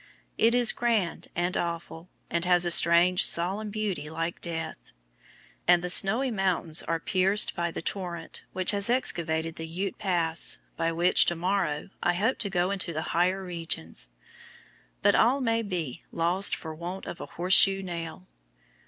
It is grand and awful, and has a strange, solemn beauty like death. And the Snowy Mountains are pierced by the torrent which has excavated the Ute Pass, by which, to morrow, I hope to go into the higher regions. But all may be "lost for want of a horseshoe nail."